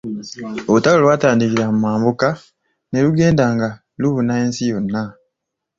Olutalo lwatandikira mu mambuka ne lugenda nga lubuna ensi yonna.